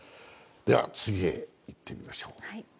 次へいってみましょう。